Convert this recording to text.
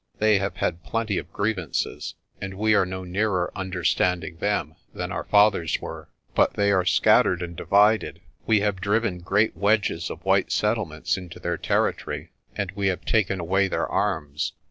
They have had plenty of grievances, and we are no nearer understanding them than our fathers were. But they are scattered and divided. We have driven great wedges of white settlements into their territory, and we have taken away their arms.